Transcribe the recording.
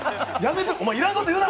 お前、要らんこと言うな！